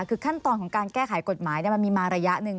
คือขั้นตอนของการแก้ไขกฎหมายมันมีมาระยะหนึ่ง